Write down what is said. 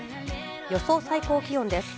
予想最高気温です。